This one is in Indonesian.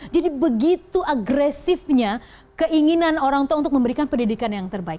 jadi begitu agresifnya keinginan orang untuk memberikan pendidikan yang terbaik